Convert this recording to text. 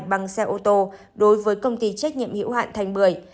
bằng xe ô tô đối với công ty trách nhiệm hiệu hạng thành bưởi